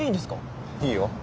いいよ。